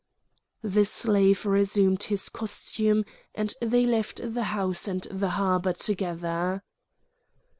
The slave resumed his costume, and they left the house and the harbour together.